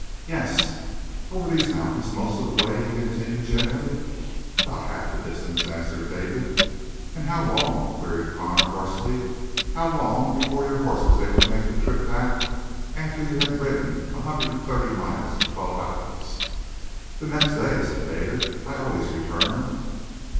"Yes." "Over these mountains most of the way?" he continued gently. "About half the distance," answered David. "And how long" queried Connor hoarsely "how long before your horse was able to make the trip back after you had ridden a hundred and thirty miles in twelve hours?" "The next day," said David, "I always return."